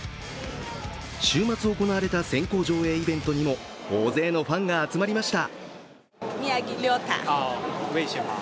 週末行われた先行上映イベントにも大勢のファンが集まりました。